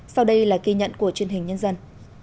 sau đây là ghi nhận của truyền hình nhân dân